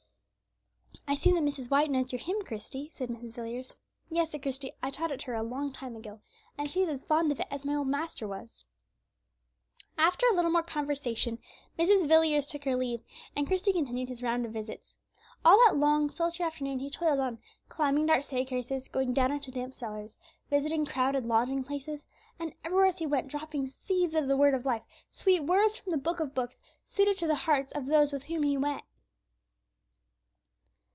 '" "I see that Mrs. White knows your hymn, Christie," said Mrs. Villiers. "Yes," said Christie, "I taught her it a long time ago, and she is as fond of it as my old master was." After a little more conversation, Mrs. Villiers took her leave, and Christie continued his round of visits. All that long, sultry afternoon he toiled on, climbing dark staircases, going down into damp cellars, visiting crowded lodging houses; and everywhere, as he went, dropping seeds of the Word of life, sweet words from the Book of books, suited to the hearts of those with whom he met.